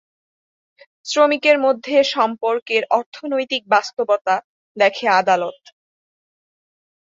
শ্রমিকের মধ্যে সম্পর্কের "অর্থনৈতিক বাস্তবতা" দেখে আদালত।